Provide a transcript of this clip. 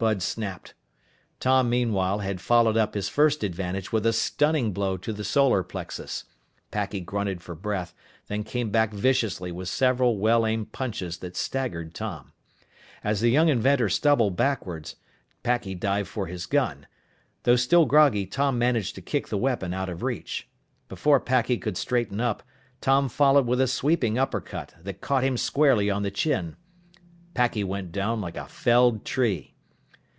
Bud snapped. Tom, meanwhile, had followed up his first advantage with a stunning blow to the solar plexus. Packy grunted for breath, then came back viciously with several well aimed punches that staggered Tom. As the young inventor stumbled backward, Packy dived for his gun. Though still groggy, Tom managed to kick the weapon out of reach. Before Packy could straighten up, Tom followed with a sweeping uppercut that caught him squarely on the chin. Packy went down like a felled tree!